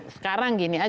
sekarang gini aja